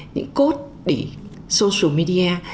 những code để social media